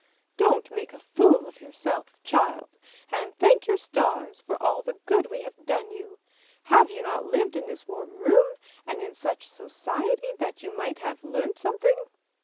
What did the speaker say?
Don't make a fool of yourself, child, and thank your stars for all the good we have done you! Have you not lived in this warm room, and in such society that you might have learnt something?